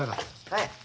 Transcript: はい。